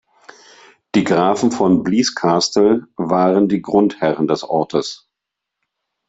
Die Grafen von Blieskastel waren die Grundherren des Ortes.